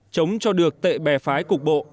chống cho được tệ bè phái cục bộ